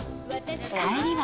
帰りは。